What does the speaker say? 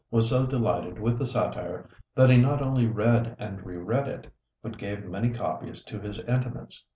was so delighted with the satire that he not only read and reread it, but gave many copies to his intimates.